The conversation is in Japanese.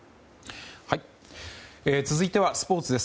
続いてはスポーツです。